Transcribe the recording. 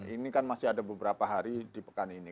ini kan masih ada beberapa hari di pekan ini